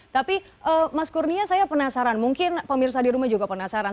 tapi mas kurnia saya penasaran mungkin pemirsa di rumah juga penasaran